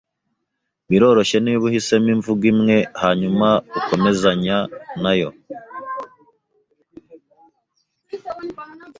biroroshye niba uhisemo imvugo imwe hanyuma ukomezanya nayo.